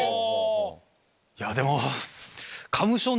いやでも。